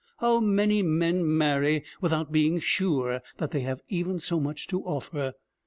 How many men marry without being sure that they have even so much to offer?